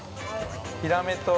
◆ヒラメと。